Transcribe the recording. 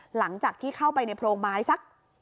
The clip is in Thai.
หลังจากที่เข้าไปในโพรงไม้สัก